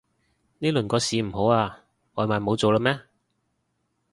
呢輪個市唔好啊？外賣冇做喇咩